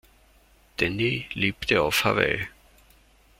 Denny lebte auf Hawaii.